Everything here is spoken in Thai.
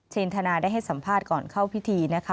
ธนาได้ให้สัมภาษณ์ก่อนเข้าพิธีนะคะ